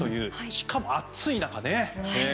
しかも、暑い中ね。